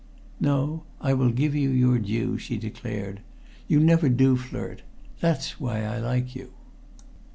"No. I will give you your due," she declared. "You never do flirt. That is why I like you."